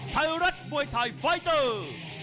ไทยไทยไฟไต้เตอร์